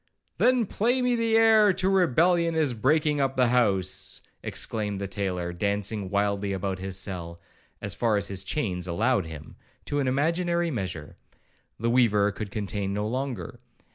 'Then play me the air to Rebellion is breaking up house,' exclaimed the tailor, dancing wildly about his cell (as far as his chains allowed him) to an imaginary measure. The weaver could contain no longer.